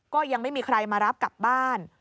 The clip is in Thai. ก็ยังไม่มีใครมารับกลับบ้าน